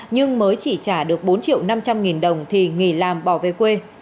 nhưng mới chỉ trả được bốn triệu năm trăm linh nghìn đồng thì nghỉ làm bỏ về quê